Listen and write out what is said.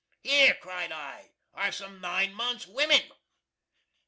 "Here," cried I, "are some nine months wimin!"